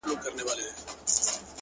نه لري هيـڅ نــنــــگ.!